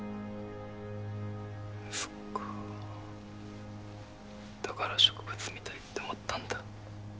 そっかだから植物みたいって思ったんだ